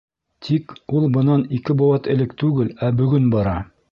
Тик ул бынан ике быуат элек түгел, ә бөгөн бара.